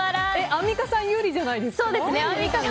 アンミカさん有利じゃないですか？